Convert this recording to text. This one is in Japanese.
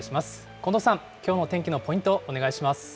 近藤さん、きょうの天気のポイント、お願いします。